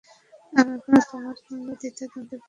এখনও তোমরা দ্বিধা-দ্বন্দ্বে ভোগছ?